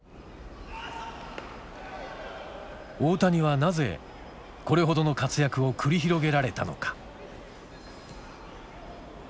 大谷はなぜこれほどの活躍を繰り広げられたのか？